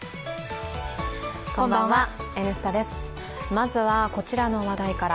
まずは、こちらの話題から。